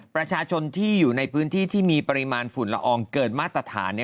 ประชาชนที่อยู่ในพื้นที่ที่มีปริมาณฝุ่นละอองเกินมาตรฐาน